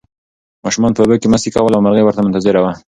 ماشومانو په اوبو کې مستي کوله او مرغۍ ورته منتظره وه.